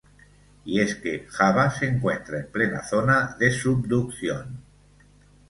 Y es que, Java se encuentra en plena zona de subducción.